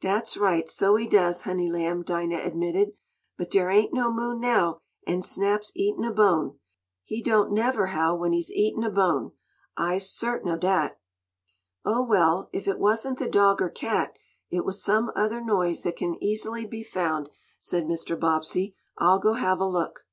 "Dat's right, so he does, honey lamb," Dinah admitted. "But dere ain't no moon now, an' Snap's eatin' a bone. He don't never howl when he's eatin' a bone, I'se sartain ob dat." "Oh, well, if it wasn't the dog or cat, it was some other noise that can easily be found," said Mr. Bobbsey. "I'll go have a look."